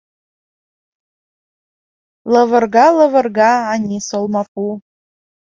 Лывырга, лывырга анис олмапу.